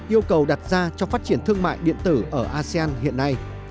yêu cầu đặt ra cho phát triển thương mại điện tử ở asean hiện nay